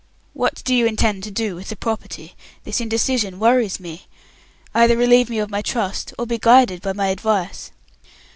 What do you intend to do with the property? This indecision worries me. Either relieve me of my trust, or be guided by my advice."